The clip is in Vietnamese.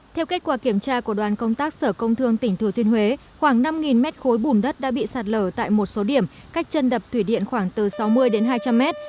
theo kết quả kiểm tra của đoàn công tác sở công thương tỉnh thừa thiên huế khoảng năm mét khối bùn đất đã bị sạt lở tại một số điểm cách chân đập thủy điện khoảng từ sáu mươi đến hai trăm linh mét